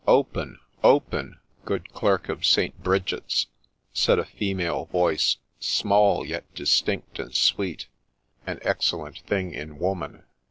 ' Open ! open ! good Clerk of St. Bridget's,' said a female voice, small, yet distinct and sweet, — an excellent thing in woman.